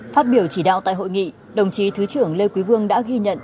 phát biểu chỉ đạo tại hội nghị đồng chí thứ trưởng lê quý vương đã ghi nhận